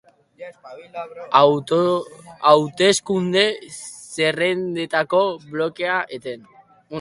Hauteskunde zerrendetako blokeoa eten.